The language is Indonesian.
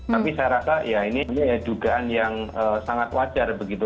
tapi saya rasa ya ini dugaan yang sangat wajar begitu